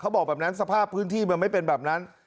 บอกแบบนั้นสภาพพื้นที่มันไม่เป็นแบบนั้น